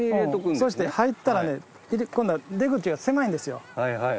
そして入ったらね今度は出口が狭いんですよ。